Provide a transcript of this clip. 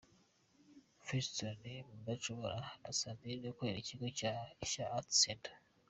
Fiston Mudacumura na Sandrine ukorera ikigo cya Ishyo Arts Center.